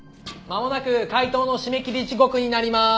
まもなく解答の回収時刻になります。